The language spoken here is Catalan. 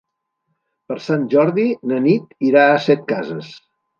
Per Sant Jordi na Nit irà a Setcases.